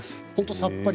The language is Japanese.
さっぱり。